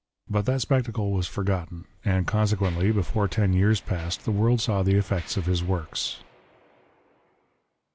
^ But that spectacle was forgotten, and consequently, before ten years passed, the world saw the effects of his works.